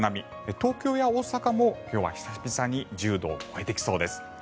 東京や大阪も今日は久々に１０度を超えてきそうです。